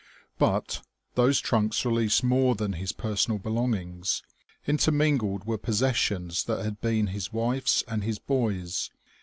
But, those trunks released more than his personal belongings; intermingled were possessions that had been his wife's and his boy's.